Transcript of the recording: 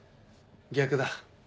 逆だ。